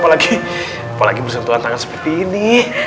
apalagi bersentuhan tangan seperti ini